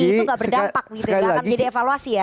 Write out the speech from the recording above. itu gak berdampak gitu gak akan jadi evaluasi ya